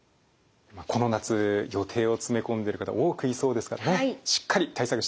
この夏予定を詰め込んでる方多くいそうですからねしっかり対策していきましょう。